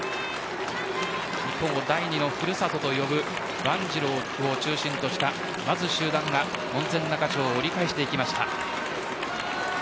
日本を第２のふるさとと呼ぶワンジルを中心とした集団が門前仲町を折り返してきました。